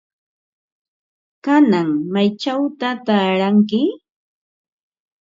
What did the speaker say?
¿Kanan maychawta taaranki?